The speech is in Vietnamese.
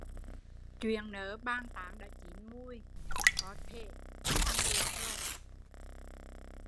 Chuyện nớ bàn tán đã chín muồi, có thể thi hành được rồi